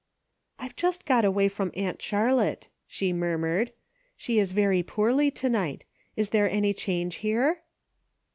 " I've just got away from aunt Charlotte," she murmured ; "she is very poorly to night. Is there any change here